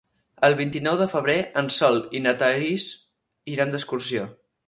El vint-i-nou de febrer en Sol i na Thaís iran d'excursió.